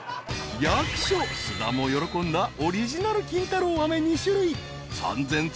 ［役所菅田も喜んだオリジナル金太郎飴２種類３，０００粒を爆買い］